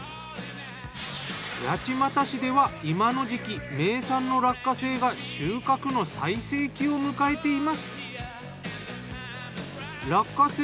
八街市では今の時期名産の落花生が収穫の最盛期を迎えています。